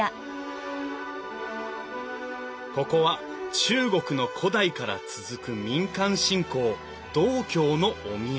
ここは中国の古代から続く民間信仰道教のお宮。